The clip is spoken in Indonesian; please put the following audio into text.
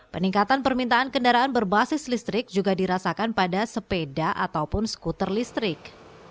peningkatan permintaan kendaraan berbasis listrik juga dirasakan pada sepeda ataupun skuter listrik